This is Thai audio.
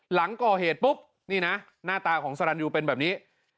หลังก่อเหตุปุ๊บนี่นะหน้าตาของสรรยูเป็นแบบนี้